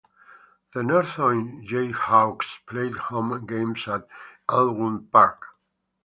The Norton Jayhawks played home games at Elmwood Park.